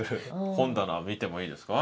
本棚見てもいいですか？